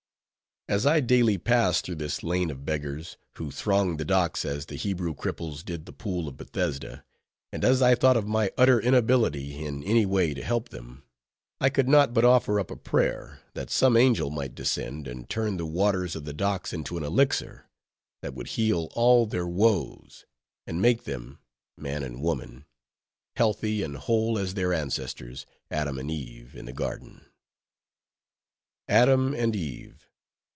As I daily passed through this lane of beggars, who thronged the docks as the Hebrew cripples did the Pool of Bethesda, and as I thought of my utter inability in any way to help them, I could not but offer up a prayer, that some angel might descend, and turn the waters of the docks into an elixir, that would heal all their woes, and make them, man and woman, healthy and whole as their ancestors, Adam and Eve, in the garden. Adam and Eve!